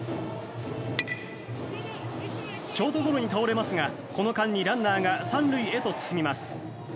ショートゴロに倒れますがこの間にランナーが３塁へと進みます。